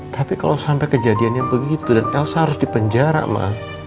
tapi kalau sampai kejadian yang begitu dan elsa harus di penjara ma